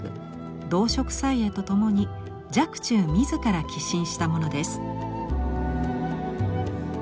「動植綵絵」と共に若冲自ら寄進したものです。